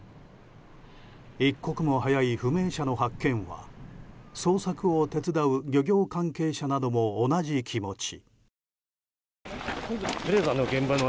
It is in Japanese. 一刻も早い不明者の発見は捜索を手伝う漁業関係者も同じ気持ち。